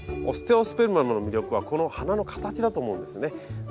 オステオスペルマムの魅力はこの花の形だと思うんですね。